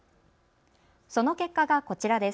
その結果がこちらです。